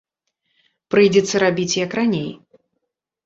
Прыйдзецца рабіць, як раней.